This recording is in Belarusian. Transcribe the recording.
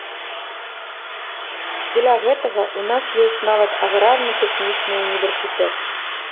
Дзеля гэтага ў нас ёсць нават аграрна-тэхнічны ўніверсітэт.